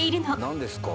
何ですか？